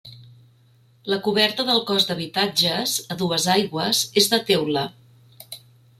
La coberta del cos d'habitatges, a dues aigües, és de teula.